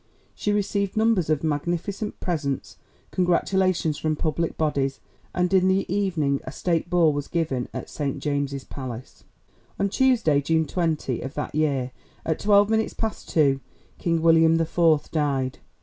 She received numbers of magnificent presents, congratulations from public bodies, and in the evening a State Ball was given at St James's Palace. On Tuesday, June 20 of that year, at twelve minutes past two, King William the Fourth died.